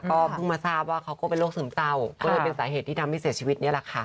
ก็เพิ่งมาทราบว่าเขาก็เป็นโรคซึมเศร้าก็เลยเป็นสาเหตุที่ทำให้เสียชีวิตนี่แหละค่ะ